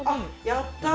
やった！